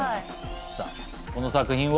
さあこの作品は。